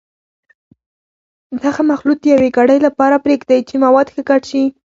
دغه مخلوط د یوې ګړۍ لپاره پرېږدئ چې مواد ښه ګډ شي.